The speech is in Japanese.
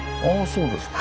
そうですか。